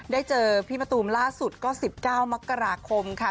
เจอพี่มะตูมล่าสุดก็๑๙มกราคมค่ะ